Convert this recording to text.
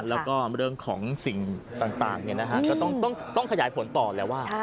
แล้วก็เรื่องของสิ่งต่างก็ต้องขยายผลต่อแล้วว่า